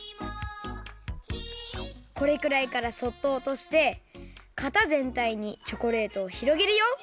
これくらいからそっとおとしてかたぜんたいにチョコレートをひろげるよ。